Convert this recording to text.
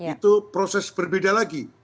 itu proses berbeda lagi